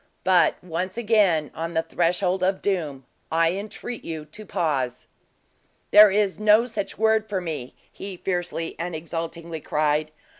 But, once again, on the threshold of doom, I entreat you to pause." "There is no such word for me!" he fiercely and exultingly cried.